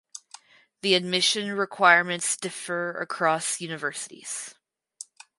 The admission requirements differ across universities.